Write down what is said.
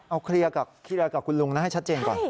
เอาเคลียร์กับคุณลุงนะให้ชัดเจนก่อน